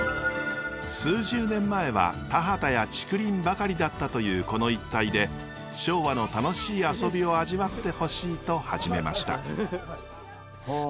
数十年前は田畑や竹林ばかりだったというこの一帯で昭和の楽しい遊びを味わってほしいと始めました。